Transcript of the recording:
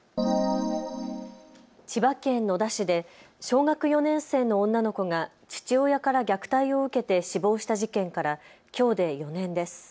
千葉県野田市で小学４年生の女の子が父親から虐待を受けて死亡した事件からきょうで４年です。